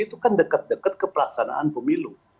itu kan dekat dekat ke pelaksanaan pemilu